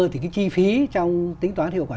thì cái chi phí trong tính toán hiệu quả